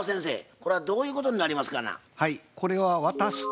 これはどういうことになりますかな？